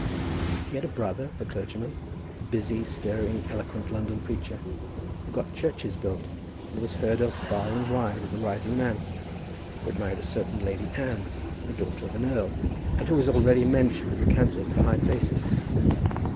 He had a brother, a clergyman, a busy, stirring, eloquent London preacher, who got churches built, and was heard of far and wide as a rising man, who had married a certain Lady Anne, the daughter of an earl, and who was already mentioned as a candidate for high places.